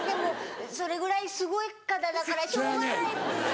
それぐらいすごい方だからしょうがないんですよ。